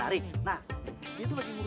dia bukan siapa siapa gue